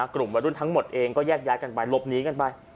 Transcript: กลุ่มวัยรุ่นทั้งหมดเองก็แยกย้ายกันไปหลบหนีกันไป